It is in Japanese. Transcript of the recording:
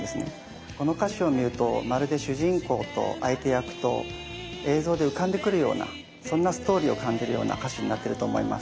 この歌詞を見るとまるで主人公と相手役と映像で浮かんでくるようなそんなストーリーを感じるような歌詞になってると思います。